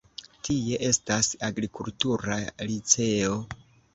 Tie estas agrikultura liceo.